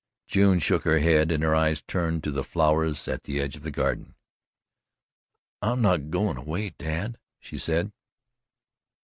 June shook her head and her eyes turned to the flowers at the edge of the garden: "I'm not goin' away, Dad," she said.